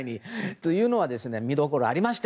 というの見どころがありまして。